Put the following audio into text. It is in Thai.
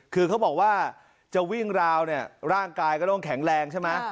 คือเขาบอกว่าจะวิ่งราวเนี่ยร่างกายก็ต้องแข็งแรงใช่ไหม